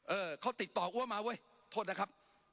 เออเขาติดต่ออ้วนมาเว้ยโทษนะครับ